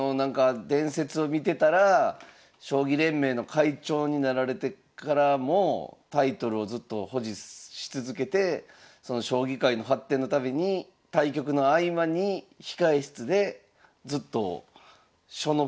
伝説を見てたら将棋連盟の会長になられてからもタイトルをずっと保持し続けてその将棋界の発展のために対局の合間に控え室でずっと書の揮ごうをされてたっていうね。